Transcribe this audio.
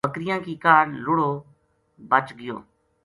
بکریاں کی کاہڈ لُڑو بچ گیو